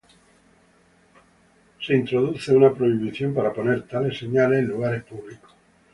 Se introduce una prohibición para poner tales señales en lugares públicos.